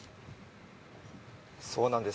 そうなんです。